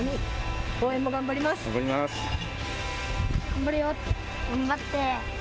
頑張って。